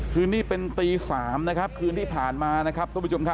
คืนนี้เป็นตี๓โลกคุมที่ทาง